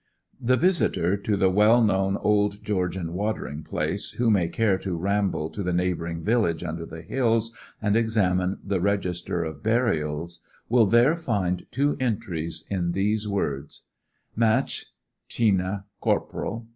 The visitor to the well known old Georgian watering place, who may care to ramble to the neighbouring village under the hills, and examine the register of burials, will there find two entries in these words:— 'Matth:—Tina (Corpl.)